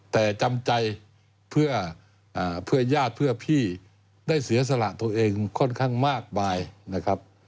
แต่จำใจเพื่อญาติเพื่อพี่ได้เสียสละตัวเองค่อนข้างมากมายนะครับ